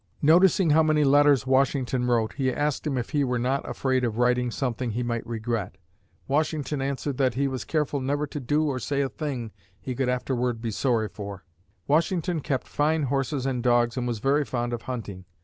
Noticing how many letters Washington wrote, he asked him if he were not afraid of writing something he might regret. Washington answered that he was careful never to do or say a thing he could afterward be sorry for. Washington kept fine horses and dogs and was very fond of hunting.